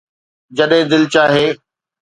جڏهن دل چاهي